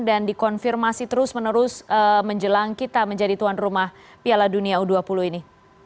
dan dikonfirmasi terus menerus menjelang kita menjadi tuan rumah piala dunia u dua puluh ini